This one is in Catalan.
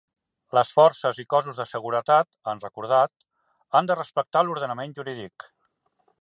Les forces i cossos de seguretat, han recordat, han de respectar l'ordenament jurídic.